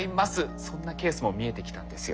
そんなケースも見えてきたんですよ。